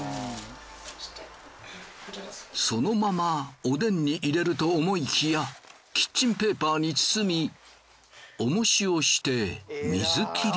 そのままおでんに入れると思いきやキッチンペーパーに包みおもしをして水切り。